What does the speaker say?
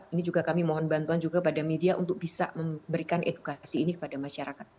ini juga kami mohon bantuan juga pada media untuk bisa memberikan edukasi ini kepada masyarakat